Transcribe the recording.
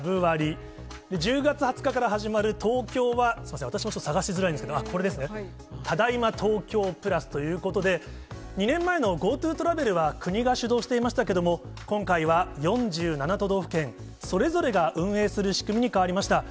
１０月２０日から始まる東京は、すみません、私もちょっと探しづらいんですけど、これですね、ただいま東京プラスということで、２年前のＧｏＴｏトラベルは国が主導していましたけれども、今回は４７都道府県、それぞれが運営する仕組みに変わりました。